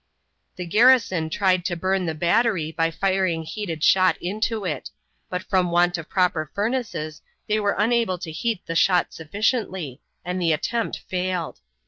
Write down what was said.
The garrison tried to burn the battery by firing heated shot into it, but from want of proper furnaces they were unable to heat the shot sufficiently, and the attempt failed.